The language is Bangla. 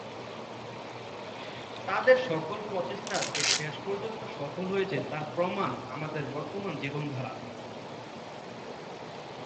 তাদের সকল প্রচেষ্টা যে শেষ পর্যন্ত সফল হয়েছে তার প্রমাণ আমাদের বর্তমান জীবনধারা।